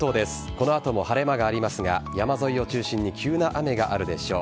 この後も晴れ間がありますが山沿いを中心に急な雨があるでしょう。